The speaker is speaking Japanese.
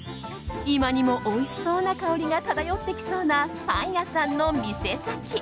今にもおいしそうな香りが漂ってきそうなパン屋さんの店先。